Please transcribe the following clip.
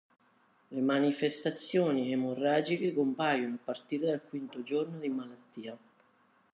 Le manifestazioni emorragiche compaiono a partire dal quinto giorno di malattia.